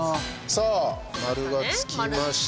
さあ、丸がつきました。